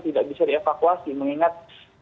tidak bisa dievakuasi mengingat